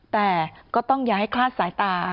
แต่ก็ต้องอย่าให้คลาดสายตา